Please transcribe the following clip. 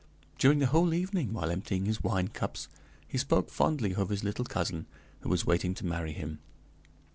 During the whole evening, while emptying his wine cups, he spoke fondly of his little cousin who was waiting to marry him.